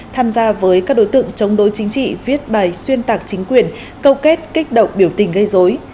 tham gia với các đối tượng chống đối chính trị viết bài xuyên tạc chính quyền câu kết kích động biểu tình gây dối